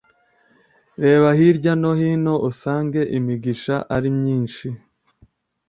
reba hirya no hino usange imigisha ari myinshi